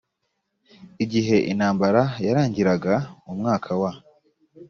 igihe intambara yarangiraga mu mwaka wa